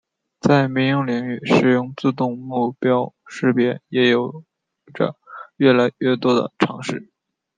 在民用领域使用自动目标识别也有着越来越多的尝试。